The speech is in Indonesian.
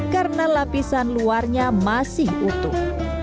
karena lapisan luarnya masih utuh